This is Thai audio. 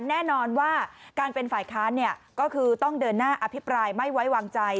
แน่นอนว่าการเป็นฝ่ายค้านก็คือต้องเดินหน้าอภิปรายไม่ไว้วางใจ